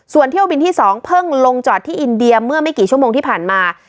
ส่วนเที่ยวบินที่๒เพิ่งลงจอดที่อินเดียเมื่อไม่กี่ชั่วโมงที่ผ่านมา